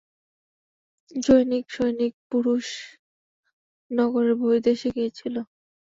জনৈক সৈনিক পুরুষ নগরের বহির্দেশে গিয়াছিল।